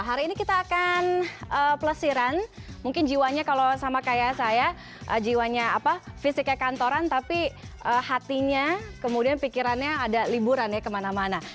hari ini kita akan pelesiran mungkin jiwanya kalau sama kayak saya jiwanya fisiknya kantoran tapi hatinya kemudian pikirannya ada liburan ya kemana mana